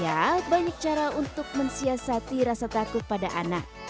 ya banyak cara untuk mensiasati rasa takut pada anak